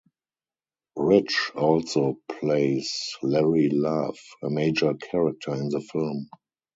Rich also plays Larry Love, a major character in the film.